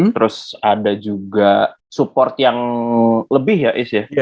terus ada juga support yang lebih ya is ya